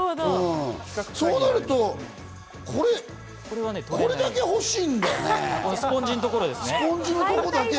そうなるとこれだけほしいんだよ、スポンジのところだけ。